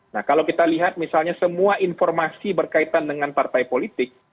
nah kalau kita lihat misalnya semua informasi berkaitan dengan partai politik